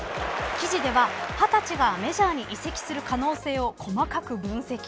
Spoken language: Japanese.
記事では、２０歳がメジャーに移籍する可能性を細かく分析。